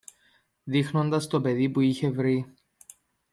δείχνοντας το παιχνίδι που είχε βρει